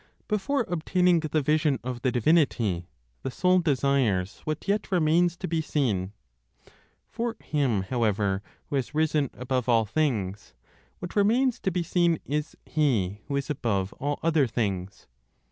Before obtaining the vision of the divinity, the soul desires what yet remains to be seen. For him, however, who has risen above all things, what remains to be seen is He who is above all other things.